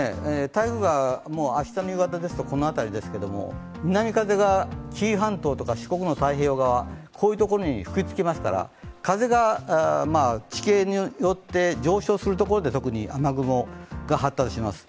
台風が明日の夕方ですとこの辺りですけれども南風が紀伊半島とか四国の太平洋側、こういうところに吹きつけますから風が地形によって上昇する所で特に雨雲が発達します。